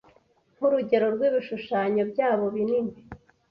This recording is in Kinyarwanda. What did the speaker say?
Nkurugero rwibishushanyo byabo binini